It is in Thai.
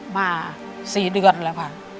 มา๔เดือนแล้วค่ะ